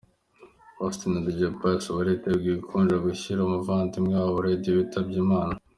Austin na Dj Pius bariteguye gukuja gushyingura umuvandimwe wabo Radio witabye Imana.